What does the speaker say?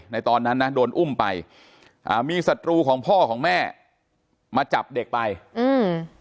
ตอนนั้นนะโดนอุ้มไปอ่ามีศัตรูของพ่อของแม่มาจับเด็กไปอืม